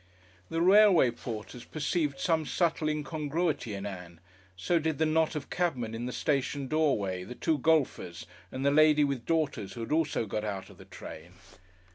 The railway porters perceived some subtle incongruity in Ann, the knot of cabmen in the station doorway, the two golfers and the lady with daughters, who had also got out of the train.